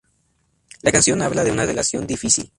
La canción habla de una relación difícil.